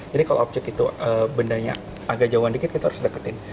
jadi kalau objek itu bendanya agak jauh dikit kita harus deketin